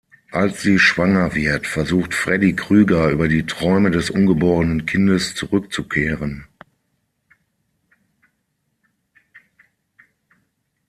Als sie schwanger wird, versucht Freddy Krueger über die Träume des ungeborenen Kindes zurückzukehren.